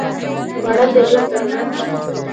خوړل د ژوند ضرورت دی